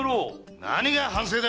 何が反省だ！